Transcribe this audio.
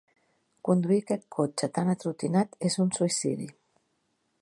Conduir aquest cotxe tan atrotinat és un suïcidi.